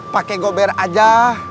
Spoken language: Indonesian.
pakai gober aja